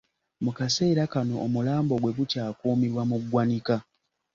Mu kaseera kano, omulambo gwe gukyakuumibwa mu ggwanika.